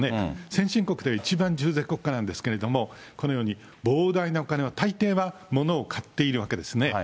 先進国で一番重税国家なんですけれども、このように膨大なお金は、たいていはものを買っているわけですね。